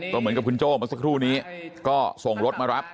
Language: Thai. ก็เหมือนกับคุณโจ้เมื่อสักครู่นี้ก็ส่งรถมารับ